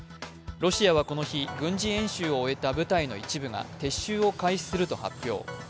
ロシアはこの日、軍事演習を終えた部隊の一部が撤収を開始すると発表。